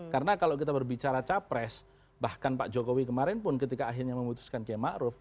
karena kalau kita berbicara capres bahkan pak jokowi kemarin pun ketika akhirnya memutuskan c ma'ruf